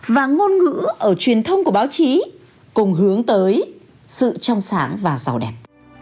và ngôn ngữ ở truyền thông của báo chí cùng hướng tới sự trong sáng và giàu đẹp